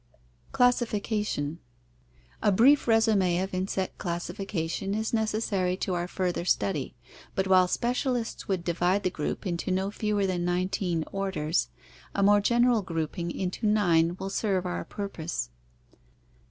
Classification. — A brief r£sum£ of insect classification is neces sary to our further study, but while specialists would divide the group into no fewer than nineteen orders, a more general grouping into nine will serve our purpose.